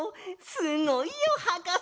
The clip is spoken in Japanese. すごいよはかせ！